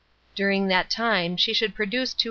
During that time she should produce 227 lbs.